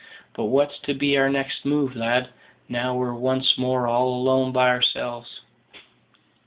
But what's to be our next move, lad, now we're once more all alone by ourselves?"